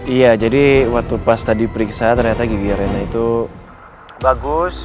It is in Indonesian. iya jadi waktu pas tadi periksa ternyata gigi arena itu bagus